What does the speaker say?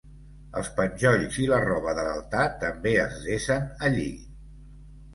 Els penjolls i la roba de l'altar també es desen allí.